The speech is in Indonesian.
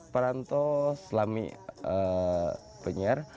paranto slami penyiar